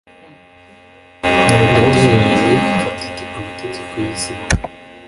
Ndatereranye mfata amategeko y'isi n'ijuru